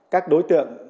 các đối tượng